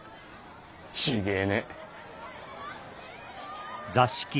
違えねえ。